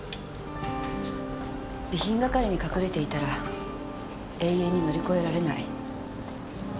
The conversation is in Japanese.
備品係に隠れていたら永遠に乗り越えられない。